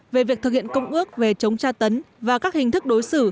về việc thực hiện công ước về chống tra tấn và các hình thức đối xử